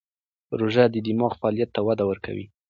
روژه د دماغ فعالیت ته وده ورکوي.